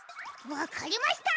わかりました！